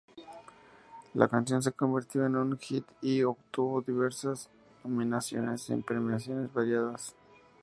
La canción se convirtió en un hit y obtuvo diversas nominaciones en premiaciones variadas.